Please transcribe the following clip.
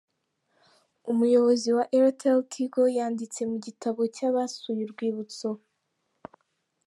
Umuyobozi wa AirtelTigo yanditse mu gitabo cy'abasuye urwibutso.